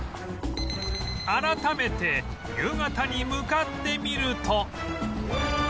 改めて夕方に向かってみると